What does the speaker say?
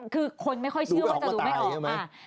คือคนไม่ค่อยเชื่อว่าจะดูไม่ออก